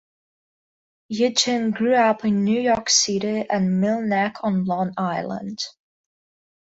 Eugene grew up in New York City and Mill Neck on Long Island.